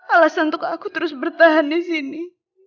alasan untuk aku terus bertahan di sini